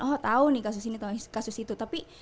oh tahu nih kasus ini kasus itu tapi